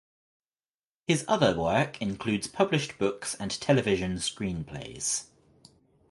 His other work includes published books and television screenplays.